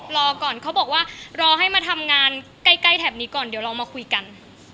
รอก่อนเขาบอกว่ารอให้มาทำงานใกล้แถบนี้ก่อนเดี๋ยวเรามาคุยกัน